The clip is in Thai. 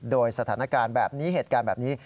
โดยสถานการณ์แบบนี้เหตุการณ์แบบนี้